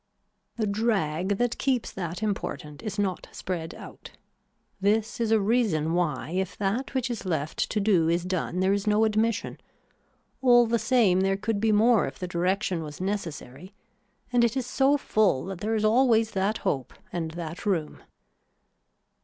The drag that keeps that important is not spread out. This is a reason why if that which is left to do is done there is no admission. All the same there could be more if the direction was necessary and it is so full that there is always that hope and that room.